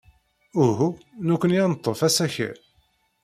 Uhu, nekkni ad neḍḍef asakal.